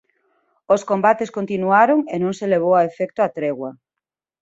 Os combates continuaron e non se levou a efecto a tregua.